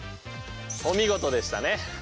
お見事でしたね。